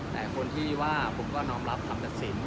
แต่คนที่ว่าผมก็น้อมรับคำตัดสิน